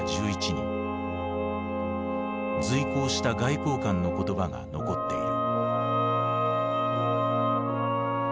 随行した外交官の言葉が残っている。